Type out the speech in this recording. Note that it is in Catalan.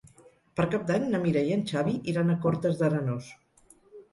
Per Cap d'Any na Mira i en Xavi iran a Cortes d'Arenós.